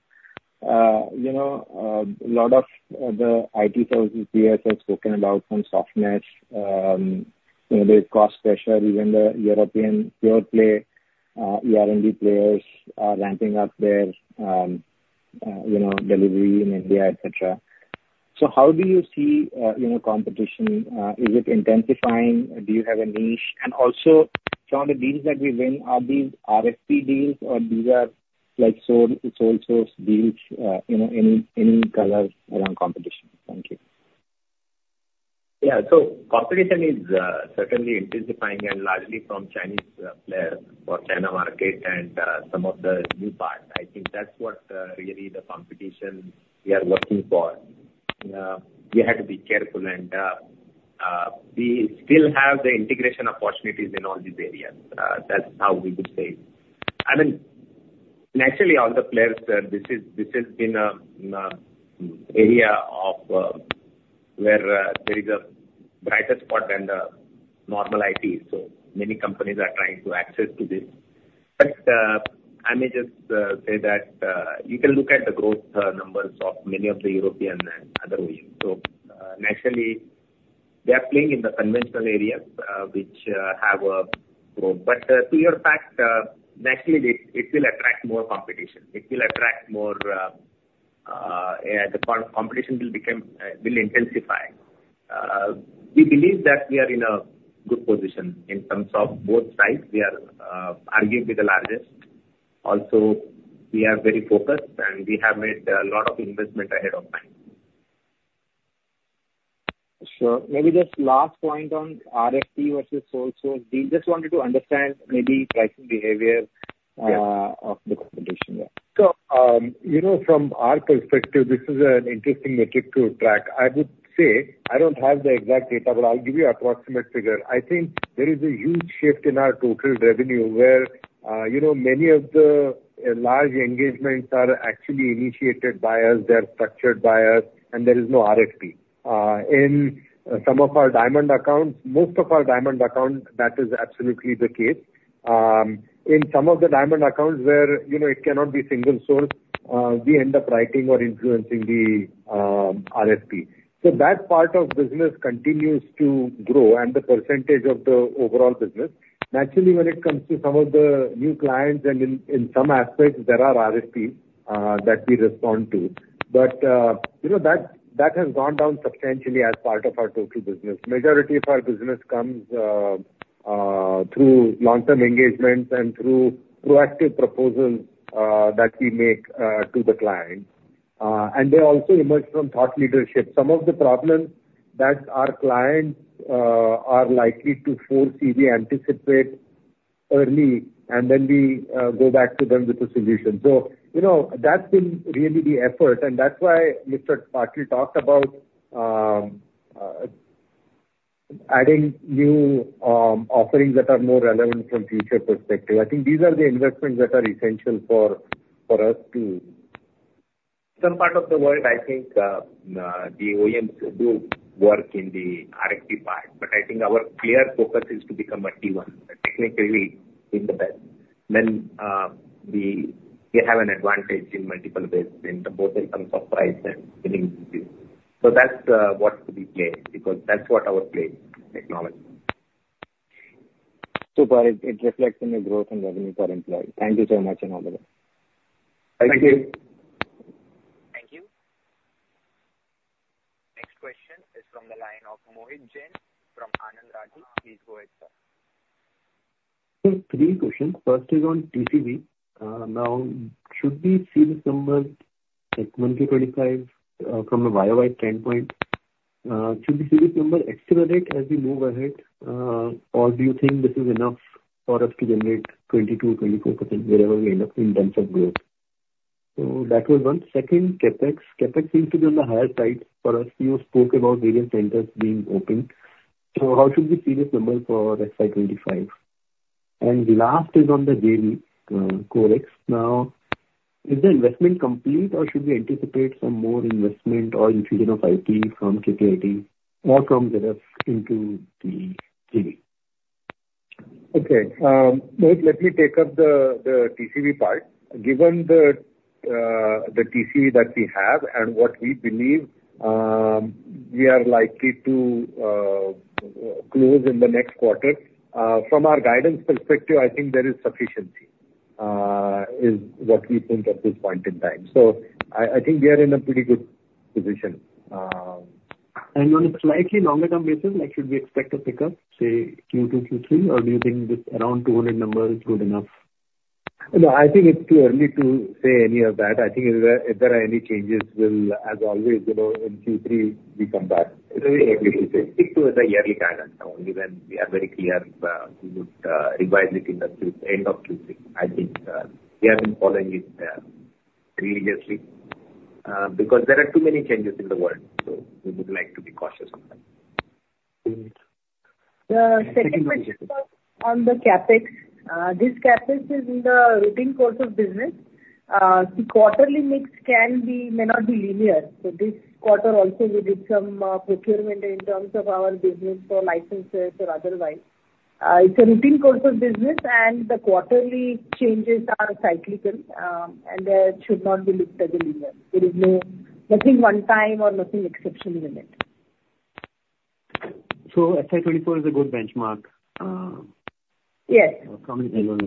A lot of the IT services we have spoken about from softness. There's cost pressure. Even the European pure play ER&D players are ramping up their delivery in India, etc. So how do you see competition? Is it intensifying? Do you have a niche? And also, some of the deals that we win, are these RFP deals, or these are sole source deals? Any color around competition? Thank you. Yeah. So competition is certainly intensifying and largely from Chinese players for China market and some of the new parts. I think that's what really the competition we are working for. We had to be careful, and we still have the integration opportunities in all these areas. That's how we would say. I mean, naturally, all the players, this has been an area where there is a brighter spot than the normal IT. So many companies are trying to access to this. But I may just say that you can look at the growth numbers of many of the European and other OEMs. So naturally, they are playing in the conventional areas which have a growth. But to your fact, naturally, it will attract more competition. It will attract more. The competition will intensify. We believe that we are in a good position in terms of both sides. We are arguably the largest. Also, we are very focused, and we have made a lot of investment ahead of time. Sure. Maybe just last point on RFP versus sole-source deal. Just wanted to understand maybe pricing behavior of the competition. Yeah. So from our perspective, this is an interesting metric to track. I would say I don't have the exact data, but I'll give you an approximate figure. I think there is a huge shift in our total revenue where many of the large engagements are actually initiated by us. They're structured by us, and there is no RFP. In some of our diamond accounts, most of our diamond accounts, that is absolutely the case. In some of the diamond accounts where it cannot be single source, we end up writing or influencing the RFP. So that part of business continues to grow, and the percentage of the overall business. Naturally, when it comes to some of the new clients and in some aspects, there are RFPs that we respond to. But that has gone down substantially as part of our total business. Majority of our business comes through long-term engagements and through proactive proposals that we make to the client. And they also emerge from thought leadership. Some of the problems that our clients are likely to foresee, we anticipate early, and then we go back to them with the solution. So that's been really the effort. And that's why Mr. Patil talked about adding new offerings that are more relevant from a future perspective. I think these are the investments that are essential for us to. Some part of the world, I think the OEMs do work in the RFP part. But I think our clear focus is to become a T1, technically in the best. Then we have an advantage in multiple ways, both in terms of price and winning deals. So that's what we play because that's what our play is, technology. Super. It reflects in the growth and revenue per employee. Thank you so much and all the best. Thank you. Thank you. Next question is from the line of Mohit Jain from Anand Rathi. Please go ahead, sir. So three questions. First is on TCV. Now, should we see this number in 2025 from a YOY standpoint? Should we see this number accelerate as we move ahead, or do you think this is enough for us to generate 22%-24% wherever we end up in terms of growth? So that was one. Second, CapEx. CapEx seems to be on the higher side for us. You spoke about various centers being open. So how should we see this number for FY 2025? And the last is on the JV, QORIX. Now, is the investment complete, or should we anticipate some more investment or infusion of IT from KPIT or from ZF into the JV? Okay. Let me take up the TCV part. Given the TCV that we have and what we believe we are likely to close in the next quarter, from our guidance perspective, I think there is sufficiency is what we think at this point in time. So I think we are in a pretty good position. And on a slightly longer-term basis, should we expect a pickup, say, Q2, Q3, or do you think around 200 numbers is good enough? No, I think it's too early to say any of that. I think if there are any changes, we'll, as always, in Q3, we come back. It's okay to say. Stick to the yearly guidance only, then we are very clear we would revise it in the end of Q3. I think we have been following it religiously because there are too many changes in the world. So we would like to be cautious on that. Second question on the CapEx. This CapEx is in the routine course of business. The quarterly mix may not be linear. So this quarter, also, we did some procurement in terms of our business for licenses or otherwise. It's a routine course of business, and the quarterly changes are cyclical, and there should not be looked at the linear. There is nothing one-time or nothing exceptional in it. So FY 2024 is a good benchmark? Yes. From a general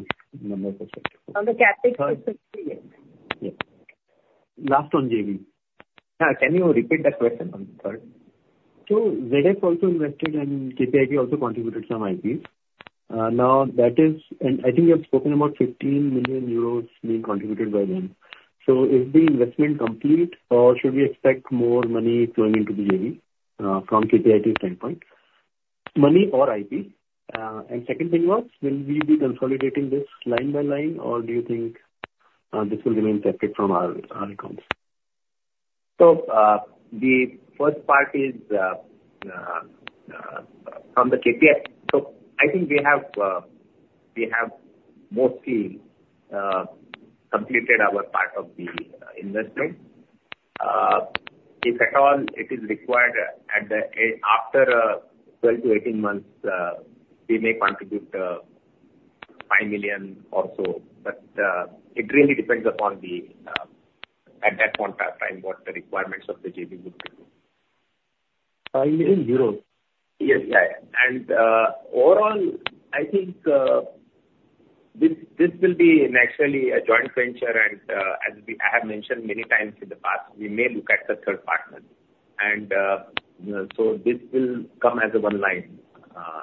number perspective. On the CapEx perspective, yes. Yes. Last on JV. Yeah. Can you repeat that question once more? So ZF also invested, and KPIT also contributed some IPs. Now, that is, and I think you have spoken about 15 million euros being contributed by them. So is the investment complete, or should we expect more money flowing into the JV from KPIT standpoint? Money or IP? And second thing was, will we be consolidating this line by line, or do you think this will remain separate from our accounts? So the first part is from the KPIT. So I think we have mostly completed our part of the investment. If at all, it is required after 12-18 months, we may contribute 5 million or so. But it really depends upon at that point of time what the requirements of the JV would be. 5 million euros? Yes. Yeah. Overall, I think this will be naturally a joint venture. As I have mentioned many times in the past, we may look at the third partner. So this will come as a one line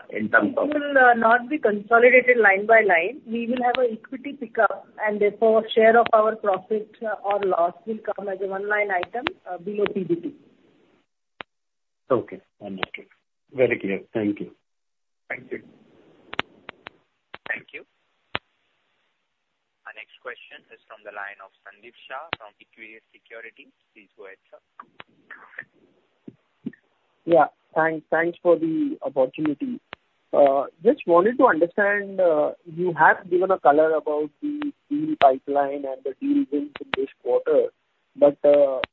in terms of. It will not be consolidated line by line. We will have an equity pickup, and therefore, share of our profit or loss will come as a one-line item below PBT. Okay. Understood. Very clear. Thank you. Thank you. Thank you. Our next question is from the line of Sandeep Shah from Equirus Securities. Please go ahead, sir. Yeah. Thanks for the opportunity. Just wanted to understand, you have given a color about the deal pipeline and the deal wins in this quarter. But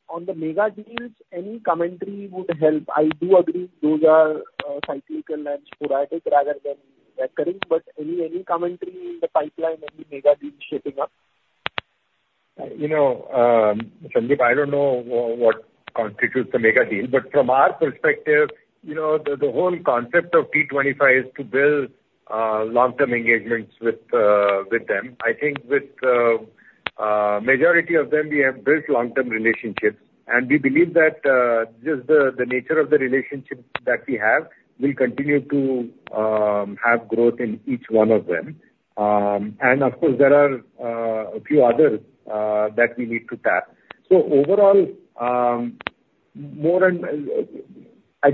on the mega deals, any commentary would help. I do agree those are cyclical and sporadic rather than recurring. But any commentary on the pipeline, any mega deals shaping up? Sandeep, I don't know what constitutes a mega deal. But from our perspective, the whole concept of T25 is to build long-term engagements with them. I think with the majority of them, we have built long-term relationships. And we believe that just the nature of the relationship that we have will continue to have growth in each one of them. And of course, there are a few others that we need to tap. So overall, I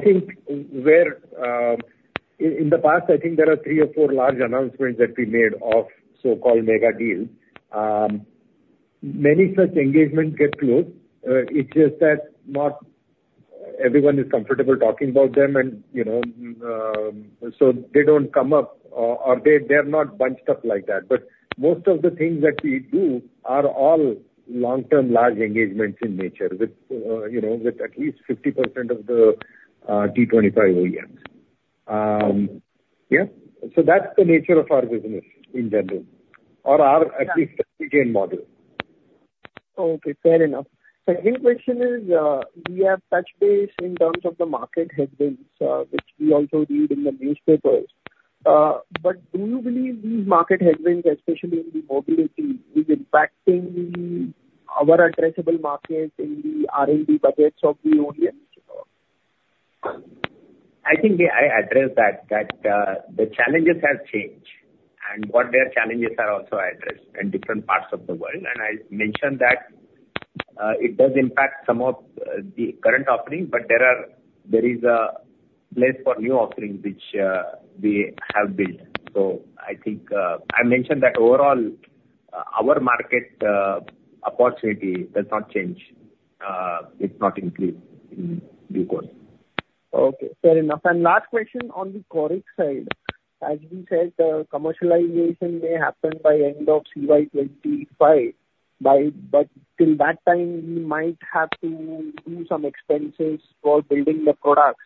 think where in the past, I think there are three or four large announcements that we made of so-called mega deals. Many such engagements get closed. It's just that not everyone is comfortable talking about them. And so they don't come up, or they're not bunched up like that. But most of the things that we do are all long-term large engagements in nature with at least 50% of the T25 OEMs. Yeah. So that's the nature of our business in general or at least the T25 model. Okay. Fair enough. Second question is, we have touched base in terms of the market headwinds, which we also read in the newspapers. But do you believe these market headwinds, especially in the mobility, is impacting our addressable market in the R&D budgets of the OEMs? I think I addressed that. The challenges have changed, and what their challenges are also addressed in different parts of the world. And I mentioned that it does impact some of the current offering, but there is a place for new offerings which we have built. So I think I mentioned that overall, our market opportunity does not change. It's not increased in due course. Okay. Fair enough. Last question on the QORIX side. As we said, commercialization may happen by end of CY 2025. But till that time, we might have to do some expenses for building the products.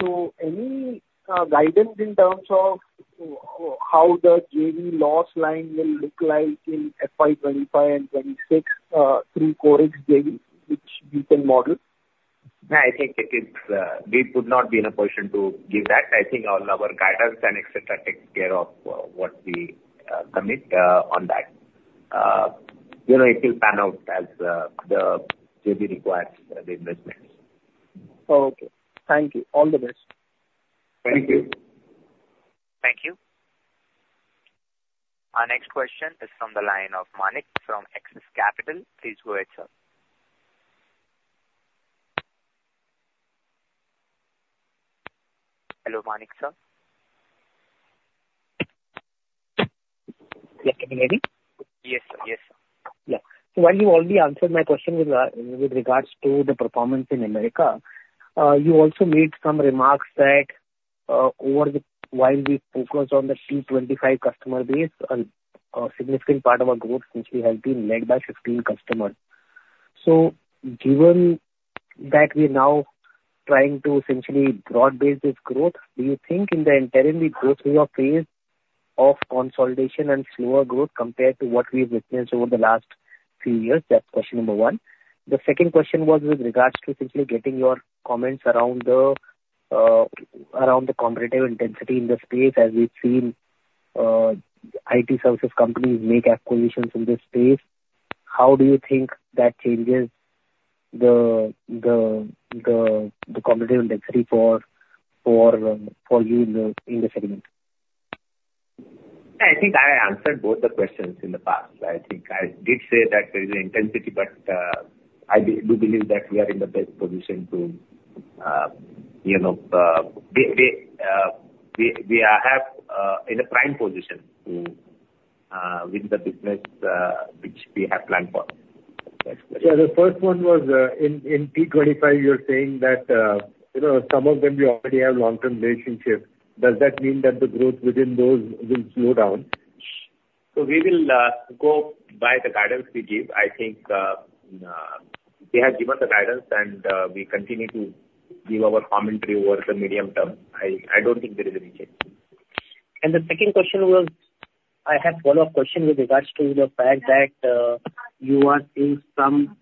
So any guidance in terms of how the JV loss line will look like in FY 2025 and FY 2026 through QORIX JV, which we can model? I think we would not be in a position to give that. I think all our guidance and etc. take care of what we commit on that. It will pan out as the JV requires the investments. Okay. Thank you. All the best. Thank you. Thank you. Our next question is from the line of Manik from Axis Capital. Please go ahead, sir. Hello, Manik, sir. Yes, can you hear me? Yes, sir. Yes, sir. Yeah. So while you already answered my question with regards to the performance in America, you also made some remarks that while we focus on the T25 customer base, a significant part of our growth essentially has been led by 15 customers. So given that we are now trying to essentially broaden this growth, do you think in the interim we go through a phase of consolidation and slower growth compared to what we've witnessed over the last few years? That's question number one. The second question was with regards to essentially getting your comments around the competitive intensity in the space as we've seen IT services companies make acquisitions in this space. How do you think that changes the competitive intensity for you in the segment? I think I answered both the questions in the past. I think I did say that there is an intensity, but I do believe that we are in the best position to we are in a prime position with the business which we have planned for. Yeah. The first one was in T25, you're saying that some of them you already have long-term relationships. Does that mean that the growth within those will slow down? So we will go by the guidance we give. I think they have given the guidance, and we continue to give our commentary over the medium term. I don't think there is any change. The second question was, I have a follow-up question with regards to the fact that you are seeing some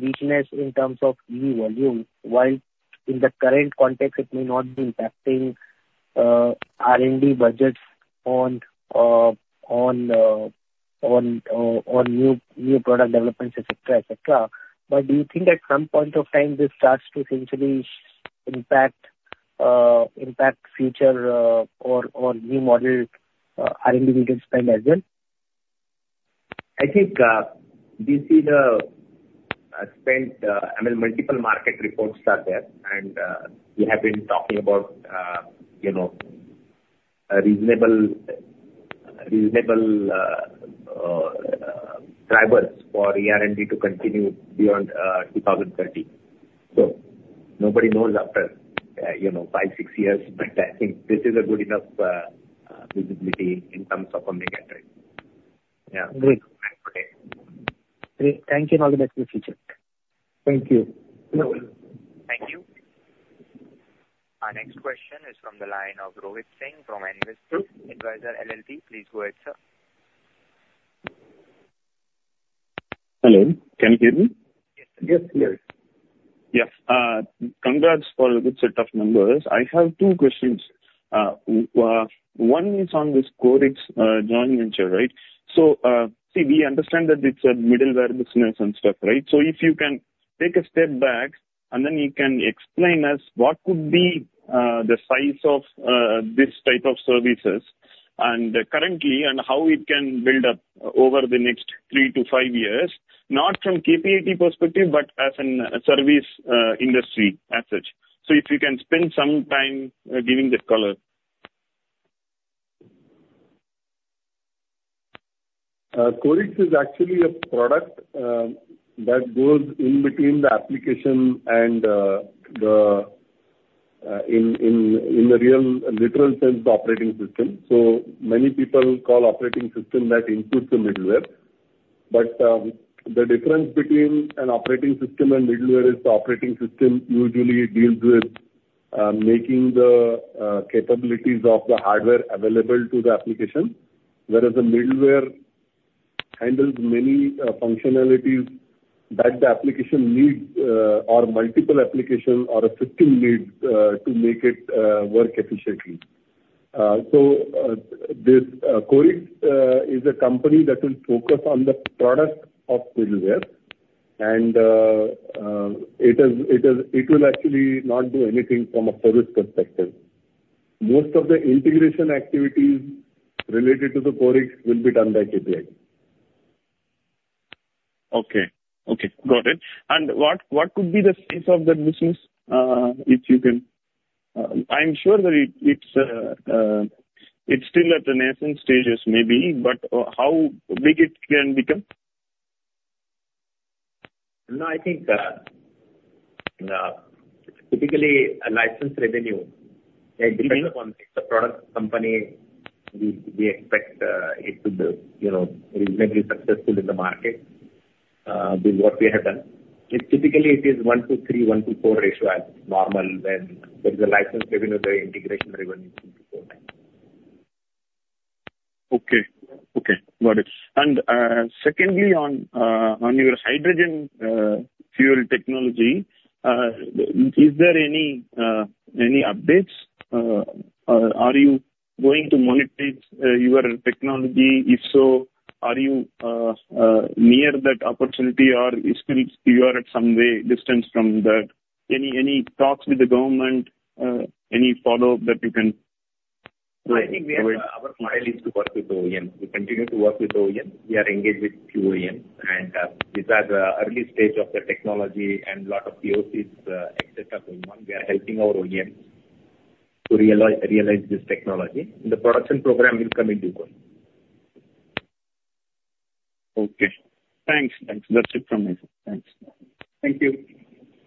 weakness in terms of EV volume, while in the current context, it may not be impacting R&D budgets on new product developments, etc., etc. But do you think at some point of time, this starts to essentially impact future or new model R&D spend as well? I think we see the spend multiple market reports are there, and we have been talking about reasonable drivers for ER&D to continue beyond 2030. So nobody knows after five, six years, but I think this is a good enough visibility in terms of coming at it. Yeah. Great. Thank you. And all the best in the future. Thank you. Thank you. Our next question is from the line of Rohit Singh from Nvest Advisor LLP. Please go ahead, sir. Hello. Can you hear me? Yes, sir. Yes, clear. Yes. Congrats for a good set of numbers. I have two questions. One is on this QORIX joint venture, right? So see, we understand that it's a middleware business and stuff, right? So if you can take a step back, and then you can explain us what could be the size of this type of services currently and how it can build up over the next 3-5 years, not from KPIT perspective, but as a service industry as such. So if you can spend some time giving the color. QORIX is actually a product that goes in between the application and the, in the real literal sense, the operating system. So many people call operating system that includes the middleware. But the difference between an operating system and middleware is the operating system usually deals with making the capabilities of the hardware available to the application, whereas the middleware handles many functionalities that the application needs or multiple applications or a system needs to make it work efficiently. So this QORIX is a company that will focus on the product of middleware, and it will actually not do anything from a service perspective. Most of the integration activities related to the QORIX will be done by KPIT. Okay. Okay. Got it. And what could be the size of the business if you can? I'm sure that it's still at the nascent stages maybe, but how big it can become? No, I think typically license revenue, depending upon the product company, we expect it to be reasonably successful in the market with what we have done. Typically, it is 1:3, 1:4 ratio as normal when there is a license revenue or integration revenue in the product. Okay. Okay. Got it. And secondly, on your hydrogen fuel technology, is there any updates? Are you going to monitor your technology? If so, are you near that opportunity, or still you are at some way distance from that? Any talks with the government? Any follow-up that you can provide? I think our role is to work with the OEM. We continue to work with the OEM. We are engaged with few OEMs. And these are the early stage of the technology and a lot of POCs, etc. going on. We are helping our OEMs to realize this technology. The production program will come in due course. Okay. Thanks. That's it from me. Thanks. Thank you.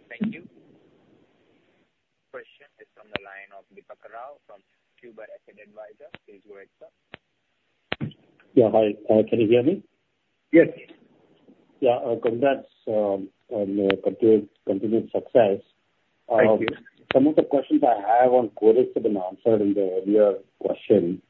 Thank you. Question is from the line of Deepak Rao from Kuber Asset Advisor. Please go ahead, sir. Yeah. Hi. Can you hear me? Yes. Yeah. Congrats on the continued success. Thank you. Some of the questions I have on QORIX have been answered in the earlier question.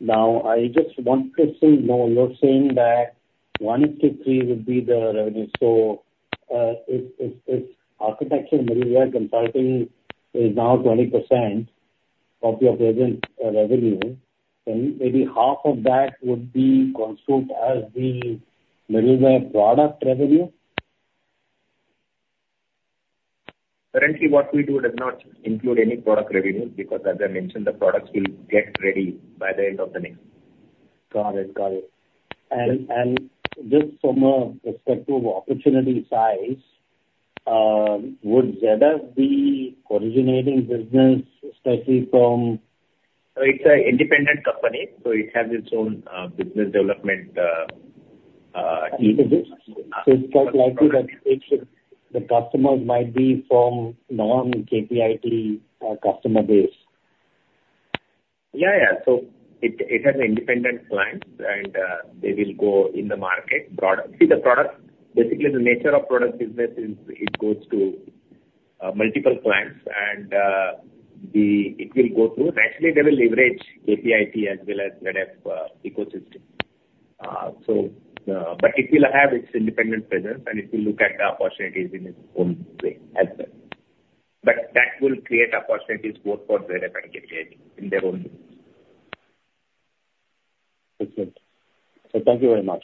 Now, I just want to say, you're saying that 1:3 would be the revenue. So if architecture and middleware consulting is now 20% of your present revenue, then maybe half of that would be construed as the middleware product revenue? Currently, what we do does not include any product revenue because, as I mentioned, the products will get ready by the end of the next year. Got it. Got it. And just from a perspective of opportunity size, would ZF be originating business, especially from? It's an independent company, so it has its own business development team. So it's quite likely that the customers might be from non-KPIT customer base. Yeah. Yeah. So it has independent clients, and they will go in the market. See, the product, basically, the nature of product business is it goes to multiple clients, and it will go through. Naturally, they will leverage KPIT as well as ZF's ecosystem. But it will have its independent presence, and it will look at the opportunities in its own way as well. But that will create opportunities both for ZF and KPIT in their own business. Excellent. So thank you very much.